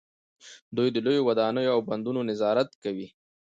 دوی د لویو ودانیو او بندونو نظارت کوي.